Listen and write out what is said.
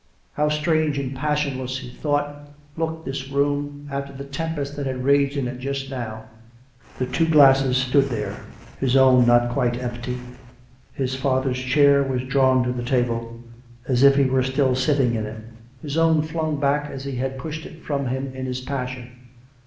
How strange and passionless, . he thought, looked this room, after the tempest that had raged in it just now. The two glasses stood there — his own not quite empty — and the jug between them. His father's chair was drawn to the table, as if he were still sitting in it; his own was flung back as he had pushed it from liim in his passion.